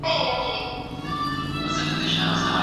که تاسي فساد ختم نه کړئ، اقتصاد نه جوړېږي.